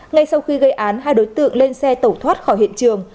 ngay sau khi gây án hai đối tượng lên xe tẩu thoát khỏi hiện trường